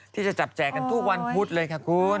ที่จะจับแจกกันทุกวันพุธเลยค่ะคุณ